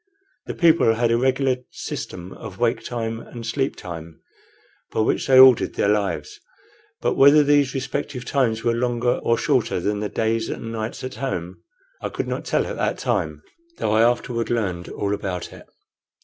The people had a regular system of wake time and sleep time, by which they ordered their lives; but whether these respective times were longer or shorter than the days and nights at home I could not tell at that time, though I afterward learned all about it.